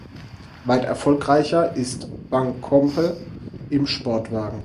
Weit erfolgreicher ist Buncombe im Sportwagen.